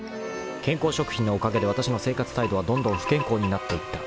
［健康食品のおかげでわたしの生活態度はどんどん不健康になっていった。